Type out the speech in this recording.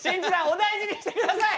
お大事にしてください！